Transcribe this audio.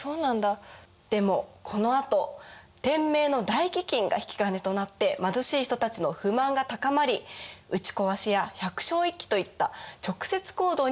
でもこのあと天明の大飢饉が引き金となって貧しい人たちの不満が高まり打ちこわしや百姓一揆といった直接行動に出るんです。